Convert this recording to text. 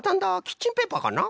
キッチンペーパーかな？